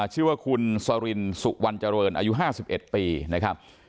ชื่อว่าคุณสรินสุวรรณเจริญอายุ๕๑ปีนะครับ